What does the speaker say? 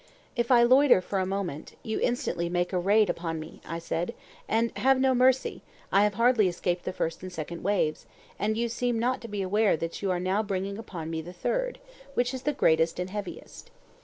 If I loiter for a moment, you instantly make a raid upon me, I said, and have no mercy; I have hardly escaped the first and second waves, and you seem not to be aware that you are now bringing upon me the third, which is the greatest and heaviest.